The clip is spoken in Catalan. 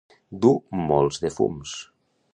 Dur molts de fums.